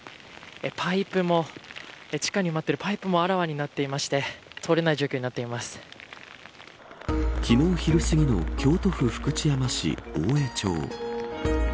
パイプも地下に埋まっているパイプもあらわになっていて昨日昼すぎの京都府福知山市大江町。